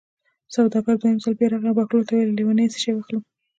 سوداګر دویم ځل بیا راغی او بهلول ته یې وویل: لېونیه څه شی واخلم.